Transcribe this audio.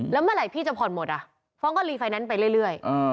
แล้วเมื่อไหร่พี่จะผ่อนหมดอ่ะฟ้องก็รีไฟแนนซ์ไปเรื่อย